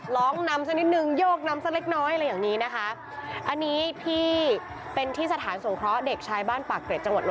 ร้องนำสักนิดนึงโยกนำสักเล็กน้อยอะไรอย่างนี้นะคะอันนี้พี่เป็นที่สถานสงเคราะห์เด็กชายบ้านปากเกร็ดจังหวัด